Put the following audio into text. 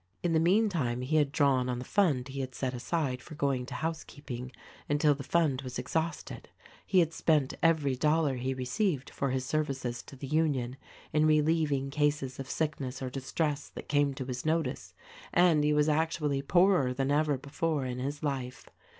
In the meantime he had drawn on the fund he had set aside for going to housekeeping until the fund was ex hausted ; he had spent every dollar he received for his services to the Union in relieving cases of sickness or dis tress that came to his notice ; and he was actually poorer than ever before in his life.